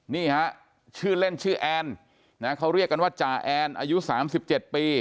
นี่ฮะชื่อเล่นชื่อแอนนะเขาเรียกกันว่าจ่าแอนอายุ๓๗ปี